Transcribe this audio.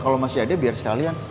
kalau masih ada biar sekalian